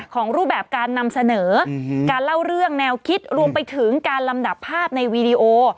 รูปแบบการนำเสนอการเล่าเรื่องแนวคิดรวมไปถึงการลำดับภาพในวีดีโอ